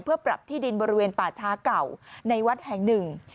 เพื่อปรับที่ดินบริเวณป่าช้าเก่าในวัดแห่งหนึ่ง